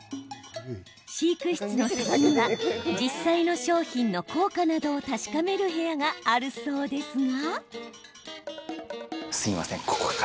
飼育室の先には実際の商品の効果などを確かめる部屋があるそうですが。